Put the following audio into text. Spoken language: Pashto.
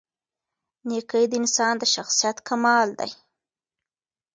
نېکي د انسان د شخصیت کمال دی.